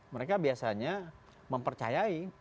mereka biasanya mempercayai